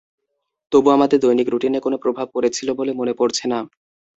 তবু আমাদের দৈনিক রুটিনে কোনো প্রভাব পড়েছিল বলে মনে পড়ছে না।